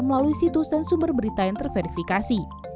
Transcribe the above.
melalui situs dan sumber berita yang terverifikasi